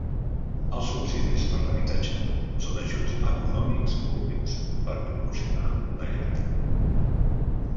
Els subsidis per l'habitatge son ajuts econòmics públics per proporcionar una llar.